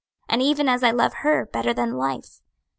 and even as I love her better than life.